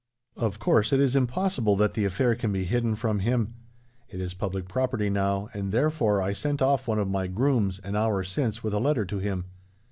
"Of course, it is impossible that the affair can be hidden from him. It is public property now; and therefore, I sent off one of my grooms, an hour since, with a letter to him.